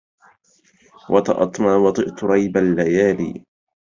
وطأت ما وطئت ريب الليالي